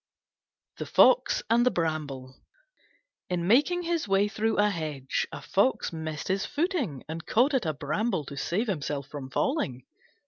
THE FOX AND THE BRAMBLE In making his way through a hedge a Fox missed his footing and caught at a Bramble to save himself from falling.